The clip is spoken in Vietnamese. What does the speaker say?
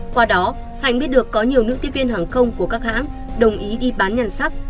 qua đó hạnh biết được có nhiều nữ tiếp viên hàng không của các hãng đồng ý đi bán nhan sắc